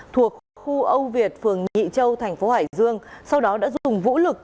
thuộc khu âu việt phường nhị châu thành phố hải dương sau đó đã dùng vũ lực